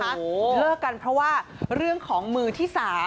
เลิกกันเพราะว่าเรื่องของมือที่๓